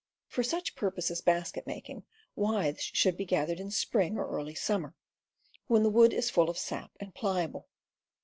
For such purpose as basket making, withes should be gathered in spring or early summer, when the wood is full of sap and pliable.